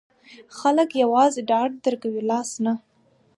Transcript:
خلګ یوازې ډاډ درکوي، لاس نه.